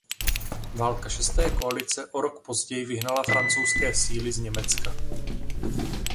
Válka šesté koalice o rok později vyhnala francouzské síly z Německa.